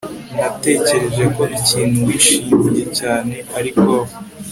natekereje ko ikintu wishimiye cyane ari golf